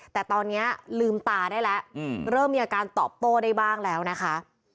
แต่ตอนนี้ลืมตาได้แล้วเริ่มมีอาการตอบโต้ได้บ้างแล้วนะคะ